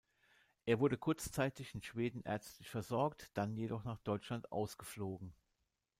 Er wurde kurzzeitig in Schweden ärztlich versorgt, dann jedoch nach Deutschland ausgeflogen.